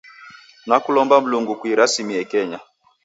Nakulomba Mlungu kuirasimie Kenya.